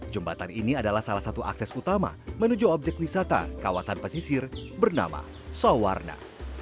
jembatan ini adalah salah satu akses utama menuju objek wisata kawasan pesisir bernama sawarna